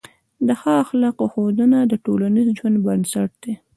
د ښه اخلاقو ښودنه د ټولنیز ژوند بنسټ دی.